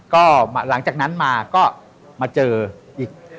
ก็หลังจากนั้นมาก็มาเจออีก